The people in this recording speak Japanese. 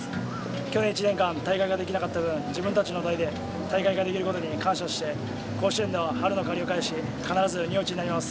去年１年間大会ができなかった分自分たちの代で大会ができることに感謝して甲子園では春の借りを返し必ず日本一になります。